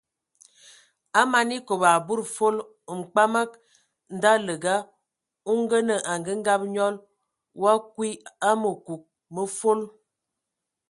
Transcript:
A man ekob a budi fol, mkpamag ndaləga o ngənə angəngab nyɔl,o akwi a məkug mə fol.